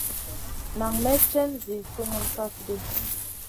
Nan may cèn zi sumun kaf ɗi.